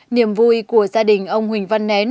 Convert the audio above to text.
niềm vui của gia đình ông huỳnh văn nén